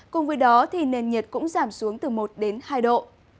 cùng với đó thì nền nhiệt cũng giảm xuống từ một đến hai độ